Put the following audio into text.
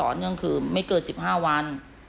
เนื่องคือไม่เกิน๑๕วัน